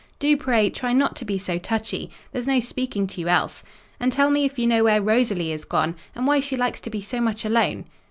"Do, pray, try not to be so touchy—there's no speaking to you else. And tell me if you know where Rosalie is gone: and why she likes to be so much alone?"